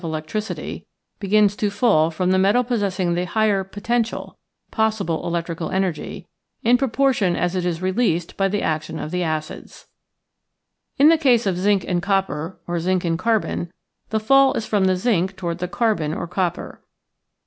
.leouicn y begins to fall from the metal possessing the higher " potential " (possible electrical en ergy) in proportion as it is released by the action of the acids. In the case of zinc and copper, or zinc and carbon, the fall is from the zinc toward the carbon or copper.